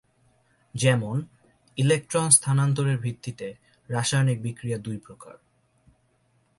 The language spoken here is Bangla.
যেমন, ইলেক্ট্রন স্থানান্তরের ভিত্তিতে রাসায়নিক বিক্রিয়া দুই প্রকার।